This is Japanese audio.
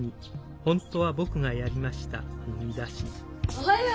おはよう！